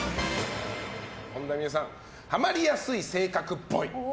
本田望結さんハマりやすい性格っぽい。